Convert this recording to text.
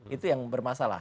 itu yang bermasalah